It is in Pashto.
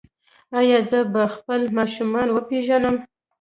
ایا زه به خپل ماشومان وپیژنم؟